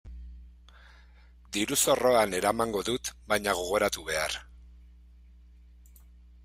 Diru-zorroan eramango dut baina gogoratu behar.